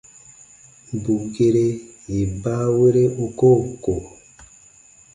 Bù gere yè baawere u koo ko.